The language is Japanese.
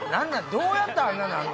どうやったらあんななんの？